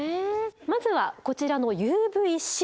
まずはこちらのＵＶーＣ。